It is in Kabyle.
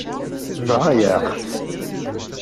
Tenɣa-yaɣ-t.